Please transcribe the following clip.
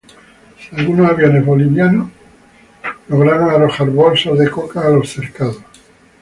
Algunos aviones bolivianos lograron arrojar bolsas de coca a los cercados.